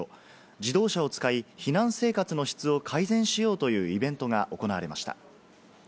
自動車を使い、避難生活の質を改善しようというイベントが行われました。